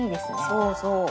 「そうそう」